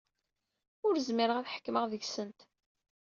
Ur zmireɣ ad ḥekmeɣ deg-sent.